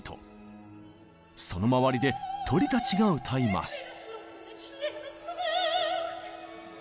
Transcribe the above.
その周りで鳥たちが歌います。